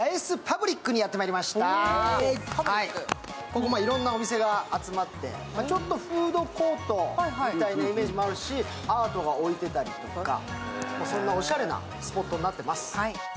ここはいろいろなお店が集まってちょっとフードコートみたいなイメージもあるし、アートが置いてたりとか、そんなおしゃれなスポットになってます。